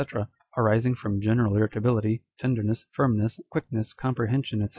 9 arising from general irritability, tenderness, firmness, quickness, comprehension, &c.